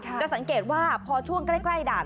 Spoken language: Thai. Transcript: จะสังเกตว่าพอช่วงใกล้ด่าน